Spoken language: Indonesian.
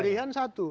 ada pilihan satu